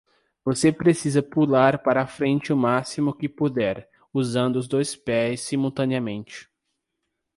Você precisa pular para frente o máximo que puder, usando os dois pés simultaneamente.